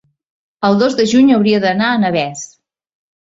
el dos de juny hauria d'anar a Navès.